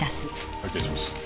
拝見します。